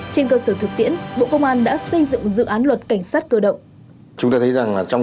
trên cơ sở thực tiễn bộ công an đã xây dựng dự án luật cảnh sát cơ động